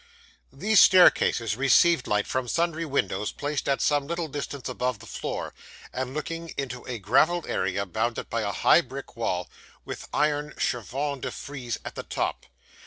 These staircases received light from sundry windows placed at some little distance above the floor, and looking into a gravelled area bounded by a high brick wall, with iron chevaux de frise at the top.